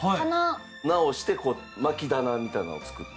直して薪棚みたいなのを作って。